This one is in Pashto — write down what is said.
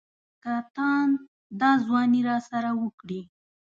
که تاند دا ځواني راسره وکړي.